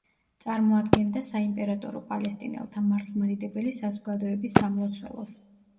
წარმოადგენდა საიმპერატორო პალესტინელთა მართლმადიდებელი საზოგადოების სამლოცველოს.